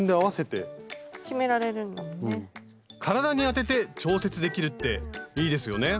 体に当てて調節できるっていいですよね